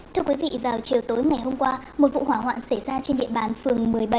thưa quý vị vào chiều tối ngày hôm qua một vụ hỏa hoạn xảy ra trên địa bàn phường một mươi bảy